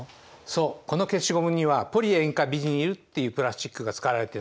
そうこの消しゴムにはポリ塩化ビニルっていうプラスチックが使われてるんです。